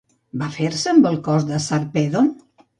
Va fer-se amb el cos de Sarpèdon?